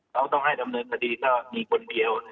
เขาต้องให้ดำเนินคดีถ้ามีคนเดียว